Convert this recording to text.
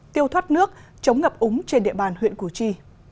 tiêu thoát nước chống ngập úng trên địa bàn huyện củ chi